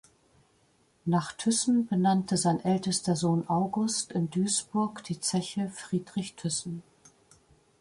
Nach Thyssen benannte sein ältester Sohn August in Duisburg die Zeche Friedrich Thyssen.